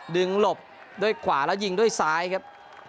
หลบด้วยขวาแล้วยิงด้วยซ้ายครับ